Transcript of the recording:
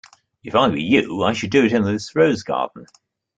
If I were you, I should do it in this rose garden.